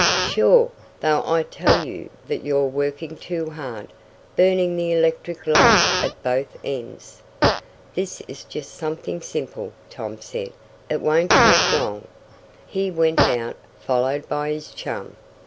"Sure, though I tell you that you're working too hard burning the electric light at both ends." "This is just something simple," Tom said. "It won't take long." He went out, followed by his chum.